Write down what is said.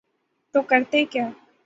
تو کرتے کیا۔